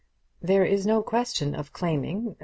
"There is no question of claiming.